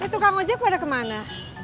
tukang ojek pada kemana